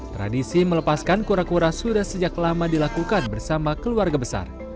tradisi melepaskan kura kura sudah sejak lama dilakukan bersama keluarga besar